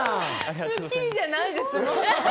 『スッキリ』じゃないですよね。